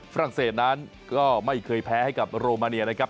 ฝรั่งเศสนั้นก็ไม่เคยแพ้ให้กับโรมาเนียนะครับ